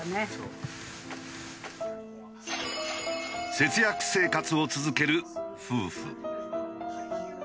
節約生活を続ける夫婦。